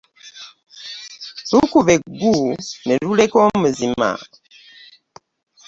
Lukuba eggu ne luleka omuzima .